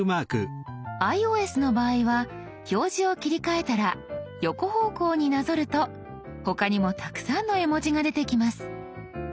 ｉＯＳの場合は表示を切り替えたら横方向になぞると他にもたくさんの絵文字が出てきます。